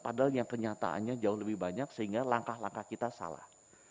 padahal yang kenyataannya jauh lebih banyak sehingga langkah langkah kita salah